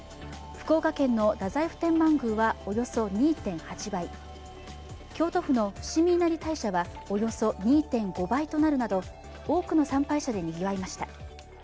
福岡県の太宰府天満宮はおよそ２．８倍、京都府の伏見稲荷大社はおよそ２．５倍となるなど多くの参拝者でにぎわいました。